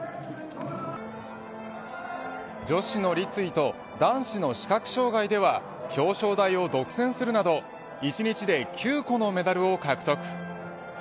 女子の立位と男子の視覚障害では表彰台を独占するなど１日で９個のメダルを獲得。